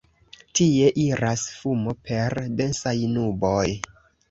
Tie iras fumo per densaj nuboj.